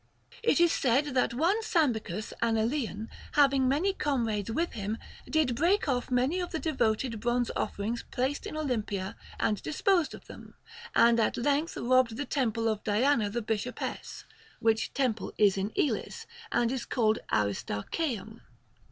It is said that one Sambicus an Elean, having many comrades with him, did break off many of the de voted bronze offerings placed in Olympia and disposed of them, and at length robbed the temple of Diana the Bish opess (which temple is in Elis, and is called Aristarchaeum.